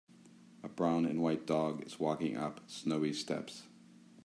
A brown and white dog is walking up snowy steps.